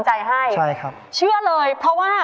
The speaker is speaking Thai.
ช่วยฝังดินหรือกว่า